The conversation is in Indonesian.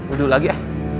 udah lagi ya